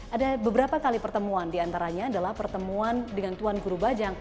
ada beberapa kali pertemuan diantaranya adalah pertemuan dengan tuan guru bajang